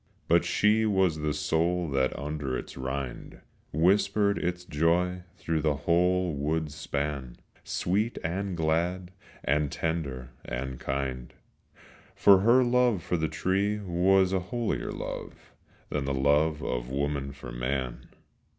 But she was the soul that under its rind Whispered its joy through the whole wood's span, Sweet and glad and tender and kind; For her love for the tree was a holier love Than the love of woman for man.